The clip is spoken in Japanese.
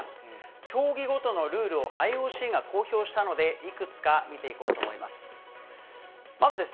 競技ごとのルールをＩＯＣが公表したので、いくつか見ていこうと思います。